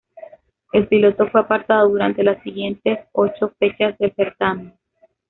El piloto fue apartado durante las siguientes ocho fechas del certamen.